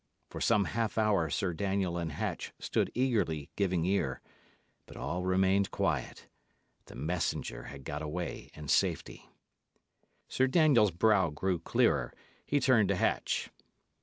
For some half hour Sir Daniel and Hatch stood eagerly giving ear; but all remained quiet. The messenger had got away in safety. Sir Daniel's brow grew clearer. He turned to Hatch.